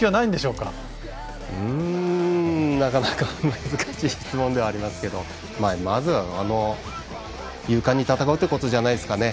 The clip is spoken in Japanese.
うーんなかなか難しい質問ではありますけどまずは、勇敢に戦うっていうことじゃないですかね。